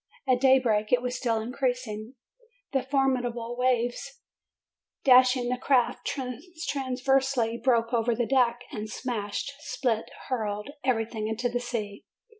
At daybreak it was still in creasing. The formidable waves dashing the craft transversely, broke over the deck, and smashed, split, hurled everything into the sea.